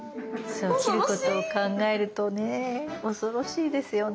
そう切ることを考えるとね恐ろしいですよね。